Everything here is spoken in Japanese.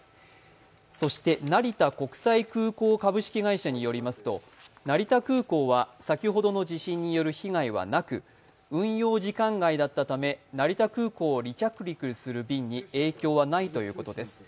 そして成田国際空港株式会社によりますと、成田空港は先ほどの地震による被害はなく運用時間外だったため成田空港を離着陸する便に影響はないということです。